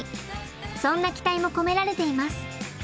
そんな期待も込められています。